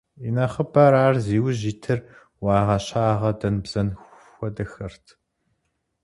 И нэхъыбэм ар зи ужь итыр уагъэ-щагъэ, дэн-бзэн хуэдэхэрт.